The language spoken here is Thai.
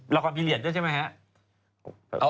ละครพิเหลียดด้วยใช่มั้ยฮะ